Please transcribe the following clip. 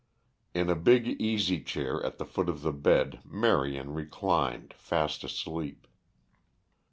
In a big easy chair at the foot of the bed Marion reclined, fast asleep.